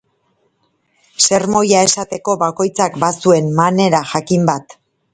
Sermoia esateko bakoitzak bazuen manera jakin bat.